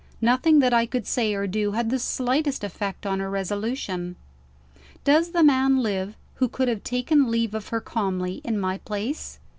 Nothing that I could say or do had the slightest effect on her resolution. Does the man live who could have taken leave of her calmly, in my place?